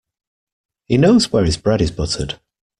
He knows where his bread is buttered.